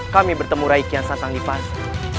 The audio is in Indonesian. kami bertemu raikian santang lipasa